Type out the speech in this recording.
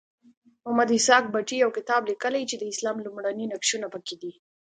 محمد اسحاق بټي یو کتاب لیکلی چې د اسلام لومړني نقشونه پکې دي.